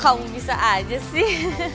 kamu bisa aja sih